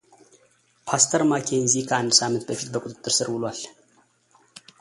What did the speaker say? ፓስተር ማኬንዚ ከአንድ ሳምንት በፊት በቁጥጥር ሥር ውሏል